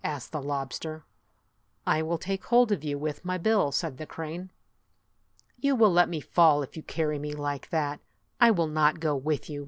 asked the lobster. "I will take hold of you with my bill," said the crane. "You will let me fall if you carry me like that. I will not go with you